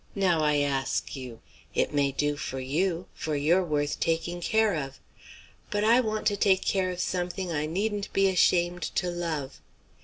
Now, I ask you! It may do for you, for you're worth taking care of; but I want to take care of something I needn't be ashamed to love!"